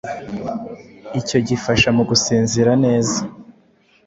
icyo gifasha mu gusinzira neza